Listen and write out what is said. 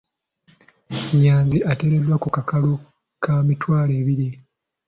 Nyanzi ateereddwa ku kakalu ka mitwalo abiri.